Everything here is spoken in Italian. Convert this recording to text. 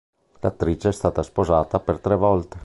L'attrice è stata sposata per tre volte.